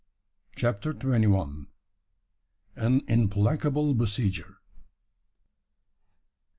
CHAPTER TWENTY ONE. AN IMPLACABLE BESIEGER.